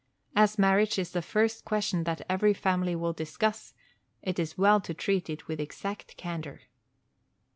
As marriage is the first question that every family will discuss, it is well to treat it with exact candor.